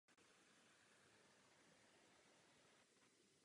V československé lize hrál za Dynamo Praha a Škodu Plzeň.